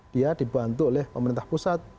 dia dibantu oleh pemerintah pusat